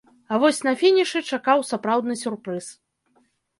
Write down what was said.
А вось на фінішы чакаў сапраўдны сюрпрыз.